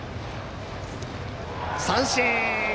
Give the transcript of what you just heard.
三振！